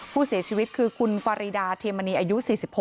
ผู้เสียชีวิตคือคุณฟารีดาเทียมณีอายุ๔๖